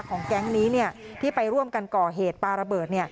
แก๊งนี้ที่ไปร่วมกันก่อเหตุปลาระเบิด